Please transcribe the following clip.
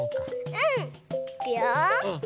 うん！いくよ。